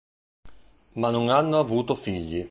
Ma non hanno avuto figli..